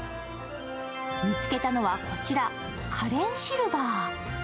見つけたのは、こちらカレンシルバー。